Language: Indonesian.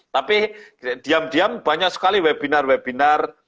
tapi diam diam banyak sekali webinar webinar